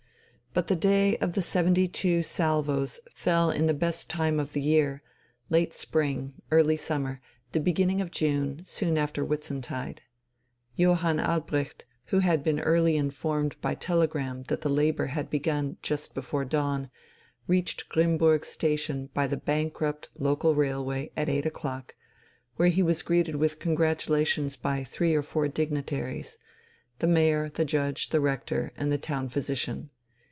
But the day of the seventy two salvos fell in the best time of the year, late spring, early summer, the beginning of June, soon after Whitsuntide. Johann Albrecht, who had been early informed by telegram that the labour had begun just before dawn, reached Grimmburg Station by the bankrupt local railway at eight o'clock, where he was greeted with congratulations by three or four dignitaries, the mayor, the judge, the rector, and the town physician.